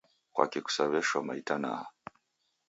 Kwaki kusaw'eshoma itanaha?